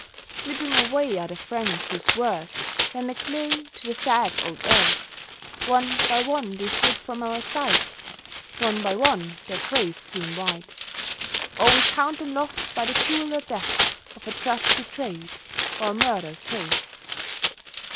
Slipping away are the friends whose worth Lent a glow to the sad old earth: One by one they slip from our sight; One by one their graves gleam white; Or we count them lost by the crueller death Of a trust betrayed, or a murdered faith.